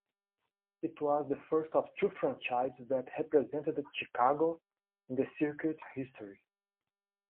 It was the first of two franchises that represented Chicago in the circuit's history.